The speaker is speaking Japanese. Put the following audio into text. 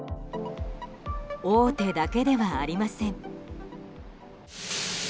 大手だけではありません。